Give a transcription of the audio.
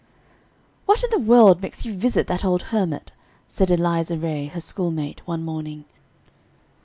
"What in the world makes you visit that old hermit?" said Eliza Ray, her schoolmate, one morning.